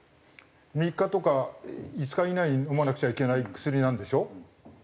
３日とか５日以内に飲まなくちゃいけない薬なんでしょ？